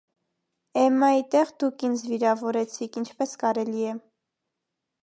Էմմայի տեղ դուք ի՛նձ վիրավորեցիք, ի՞նչպես կարելի է: